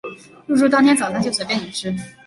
入住当天早餐就随便你吃